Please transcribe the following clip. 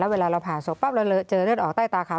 เวลาเราผ่าศพปั๊บเราเจอเลือดออกใต้ตาเขา